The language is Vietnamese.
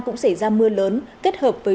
cũng xảy ra mưa lớn kết hợp với